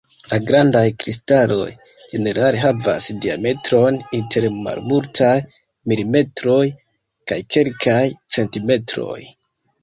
La grandaj kristaloj ĝenerale havas diametron inter malmultaj milimetroj kaj kelkaj centimetroj.